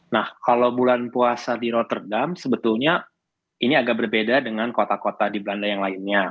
nah kalau bulan puasa di rotterdam sebetulnya ini agak berbeda dengan kota kota di belanda yang lainnya